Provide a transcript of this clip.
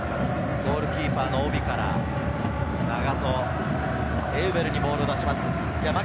ゴールキーパーのオビから永戸、エウベルにボールを出します。